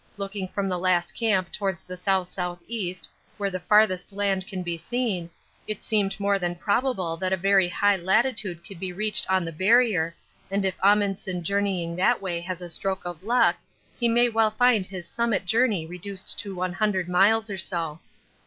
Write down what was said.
Looking from the last camp towards the S.S.E., where the farthest land can be seen, it seemed more than probable that a very high latitude could be reached on the Barrier, and if Amundsen journeying that way has a stroke of luck, he may well find his summit journey reduced to 100 miles or so.